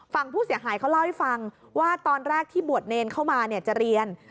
ฝั่งผู้เสียหายเขาเล่าให้ฟังว่าตอนแรกที่บวชเนรเข้ามาจะเรียน